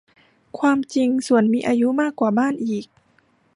ความจริงสวนมีอายุมากกว่าบ้านอีก